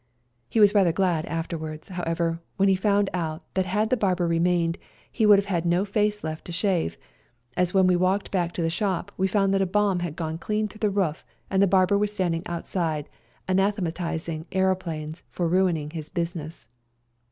He was rather glad afterwards, however, when he found out that had the barber re mained he would have had no face left to shave, as when we walked back to the shop we found that a bomb had gone clean through the roof and the barber was standing outside anathematising aeroplanes for ruining his business.